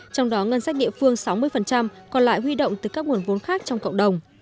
trong đó ngân sách địa phương sáu mươi còn lại huy động từ các nguồn vốn khác trong cộng đồng